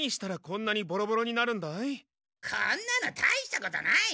こんなのたいしたことない。